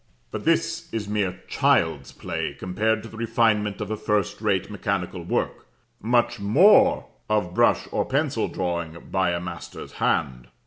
"But this is mere child's play compared to the refinement of a first rate mechanical work much more of brush or pencil drawing by a master's hand.